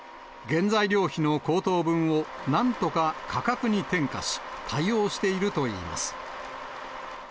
原材料費の高騰分をなんとか価格に転嫁し、対応しているといいます。